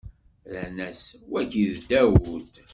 Rran-as: Wagi n Dawed.